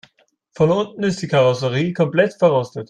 Von unten ist die Karosserie komplett verrostet.